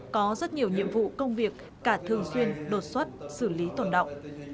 có rất nhiều nhiệm vụ công việc cả thường xuyên đột xuất xử lý tổn động